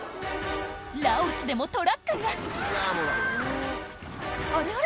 ラオスでもトラックがあれあれ？